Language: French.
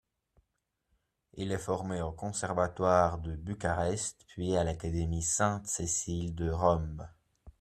Il est formé au conservatoire de Bucarest, puis à l'académie Sainte-Cécile de Rome.